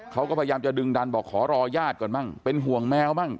เขาก็พยายามจะดึงดันบอกขอรอญาติก่อนมั่งเป็นห่วงแมวบ้าง